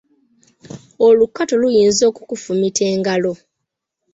Olukato luyinza okukufumita engalo.